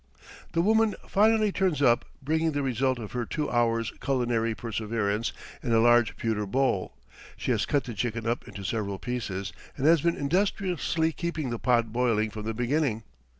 The woman finally turns up, bringing the result of her two hours' culinary perseverance in a large pewter bowl; she has cut the chicken up into several pieces and has been industriously keeping the pot boiling from the beginning.